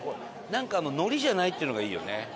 なんか海苔じゃないっていうのがいいよね。